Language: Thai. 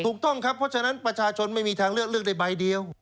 ถูกต้องครับเพราะฉะนั้นประชาชนไม่มีทางเลือกเลือกได้ใบเดียว